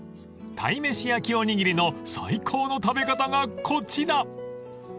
［鯛めし焼きおにぎりの最高の食べ方がこちら］